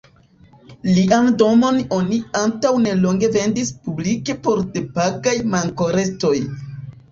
Lian domon oni antaŭ nelonge vendis publike por depagaj mankorestoj.